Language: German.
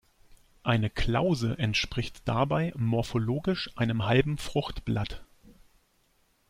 Eine Klause entspricht dabei morphologisch einem halben Fruchtblatt.